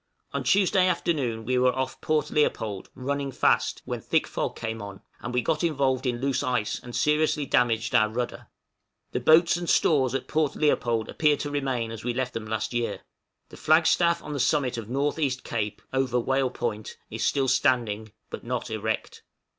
On Tuesday afternoon we were off Port Leopold, running fast, when thick fog came on, and we got involved in loose ice, and seriously damaged our rudder. The boats and stores at Port Leopold appeared to remain as we left them last year. The flag staff on the summit of North east Cape (over Whale Point) is still standing, but not erect.